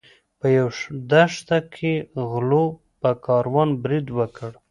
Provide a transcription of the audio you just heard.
په یوه دښته کې غلو په کاروان برید وکړ.